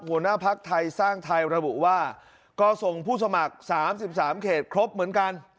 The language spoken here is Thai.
หัวหน้าภักดิ์ไทยสร้างไทยระบุว่าก็ส่งผู้สมัคร๓๓เขตครบเหมือนกัน